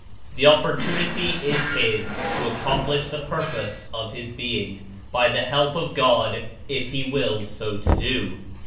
The opportunity Is his to ac complish the purpose of his being, by the help of God, If he wills so to do.